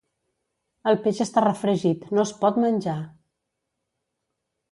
El peix està refregit: no es pot menjar!